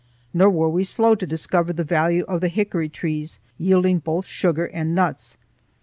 Nor were we slow to discover the value of the hickory trees yielding both sugar and nuts.